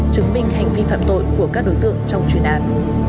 chứng minh hành vi phạm tội của các đối tượng trong chuyên án